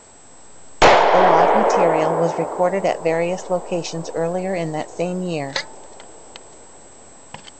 The live material was recorded at various locations earlier in that same year.